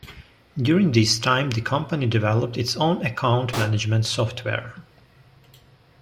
During this time, the company developed its own account management software.